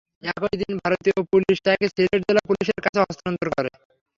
একই দিন ভারতীয় পুলিশ তাঁকে সিলেট জেলা পুলিশের কাছে হস্তান্তর করে।